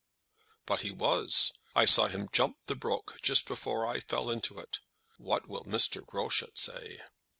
"But he was. I saw him jump the brook just before I fell into it. What will Mr. Groschut say?"